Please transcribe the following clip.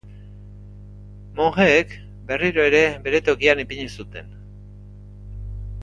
Monjeek berriro ere bere tokian ipini zuten.